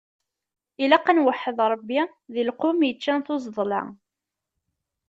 Ilaq ad nweḥḥed Ṛebbi, deg lqum yeččan tuẓeḍla.